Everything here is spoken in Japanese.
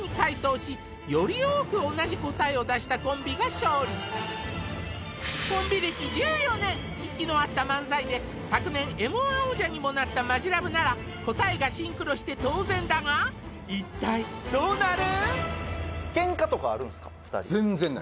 そこでコンビ歴１４年息の合った漫才で昨年Ｍ−１王者にもなったマヂラブなら答えがシンクロして当然だが一体どうなる？